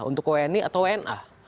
untuk wni atau wna